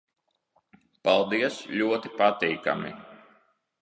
Paldies. Ļoti patīkami...